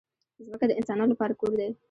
ځمکه د انسانانو لپاره کور دی.